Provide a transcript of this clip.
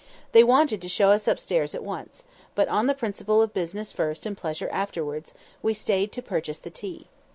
They wanted to show us upstairs at once; but on the principle of business first and pleasure afterwards, we stayed to purchase the tea.